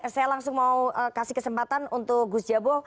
saya langsung mau kasih kesempatan untuk gus jabo